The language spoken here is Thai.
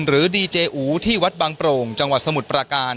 หรือดีเจอูที่วัดบางโปร่งจังหวัดสมุทรประการ